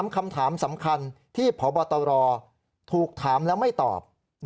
คำถามสำคัญที่พบตรถูกถามแล้วไม่ตอบ